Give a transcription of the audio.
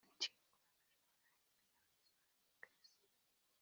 Akunda mashine ye kurusha ibindi bintu byose biba ku isi